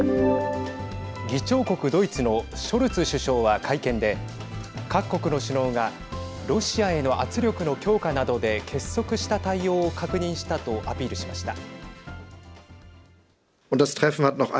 議長国ドイツのショルツ首相は会見で各国の首脳がロシアへの圧力の強化などで結束した対応を確認したとアピールしました。